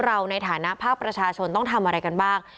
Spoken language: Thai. เราในฐานะภาคประชาชนต้องทำอะไรกันบ้าง